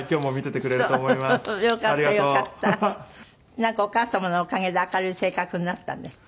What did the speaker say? なんかお母様のおかげで明るい性格になったんですって？